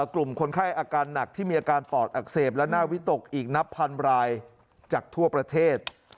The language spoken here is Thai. กลุ่มคนไข้อาการหนักที่มีอาการปอดอักเสบและหน้าวิตกอีกนับพันรายจากทั่วประเทศ